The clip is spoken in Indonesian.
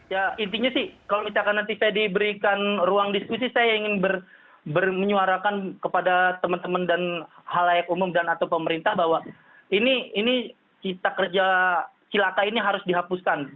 ya intinya sih kalau misalkan nanti saya diberikan ruang diskusi saya ingin menyuarakan kepada teman teman dan halayak umum dan atau pemerintah bahwa ini kita kerja cilaka ini harus dihapuskan